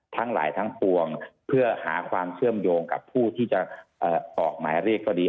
ทั้งหลายทั้งปวงเพื่อหาความเชื่อมโยงกับผู้ที่จะออกหมายเรียกก็ดี